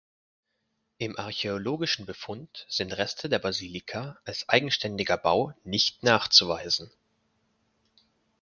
Im archäologischen Befund sind Reste der Basilika als eigenständiger Bau nicht nachzuweisen.